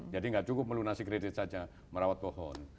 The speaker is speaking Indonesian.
jadi gak cukup melunasi kredit saja merawat pohon